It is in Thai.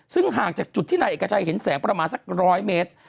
ซึ่งห่างจากจุดที่นายเอกชัยเห็นแสงประมาณสัก๑๐๐เมตร